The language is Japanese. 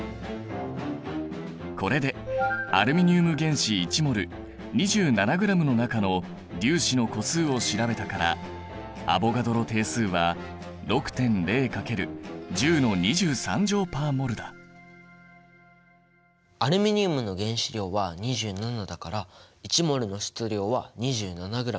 これでアルミニウム原子１ｍｏｌ２７ｇの中の粒子の個数を調べたからアボガドロ定数はアルミニウムの原子量は２７だから１ｍｏｌの質量は２７ｇ。